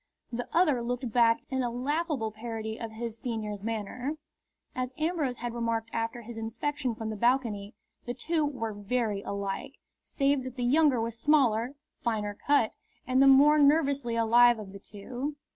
The other looked back in a laughable parody of his senior's manner. As Ambrose had remarked after his inspection from the balcony, the two were very alike, save that the younger was smaller, finer cut, and the more nervously alive of the two.